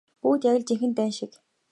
Бүгд яг л жинхэнэ дайн шиг.